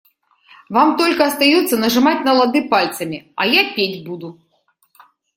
Вам только остается нажимать на лады пальцами, а я петь буду.